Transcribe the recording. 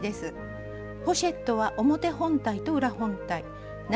ポシェットは表本体と裏本体長